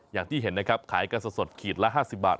อย่างที่เห็นนะครับขายกันสดขีดละ๕๐บาท